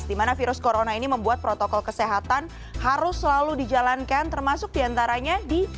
dimana virus corona ini membuat protokol kesehatan harus selalu dijalankan termasuk diantaranya di